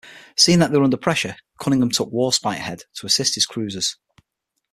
Seeing that they were under pressure, Cunningham took "Warspite" ahead to assist his cruisers.